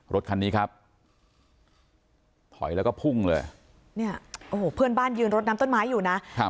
รถคันนี้ครับถอยแล้วก็พุ่งเลยเนี่ยโอ้โหเพื่อนบ้านยืนรถน้ำต้นไม้อยู่นะครับ